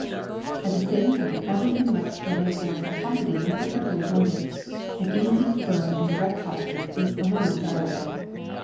At the same time, everything like strutting or pomposity must be carefully avoided. An easy, firm, and erect posture is alone desirable.